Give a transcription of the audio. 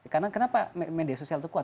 karena kenapa media sosial itu kuat